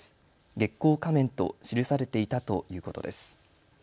月光仮面と記されていたということです。